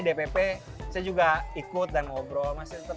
dpp saya juga ikut dan ngobrol